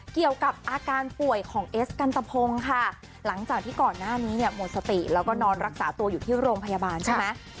เกี่ยวกับอาการป่วยของเอสกันตะพงค่ะหลังจากที่ก่อนหน้านี้เนี่ยหมดสติแล้วก็นอนรักษาตัวอยู่ที่โรงพยาบาลใช่ไหม